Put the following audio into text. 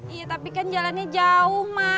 iya tapi kan jalannya jauh mas